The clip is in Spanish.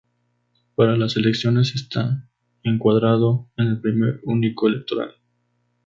Para las elecciones está encuadrado en el Primer Único Electoral.